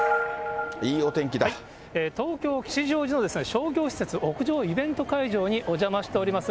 東京・吉祥寺の商業施設、屋上イベント会場にお邪魔しております。